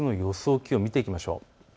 気温を見ていきましょう。